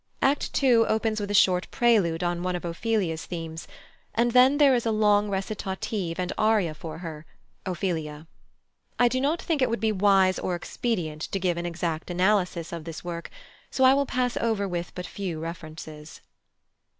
Act ii. opens with a short prelude on one of Ophelia's themes, and then there is a long recitative and aria for her (Ophelia). I do not think it would be wise or expedient to give an exact analysis of this work, so I will pass over with but few references.